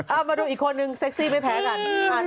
เอามาดูอีกคนนึงเซ็กซี่ไม่แพ้กัน